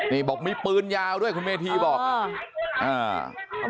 นี่บอกมีปืนยาวด้วยคุณเมธีบอกอ่า